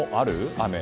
雨。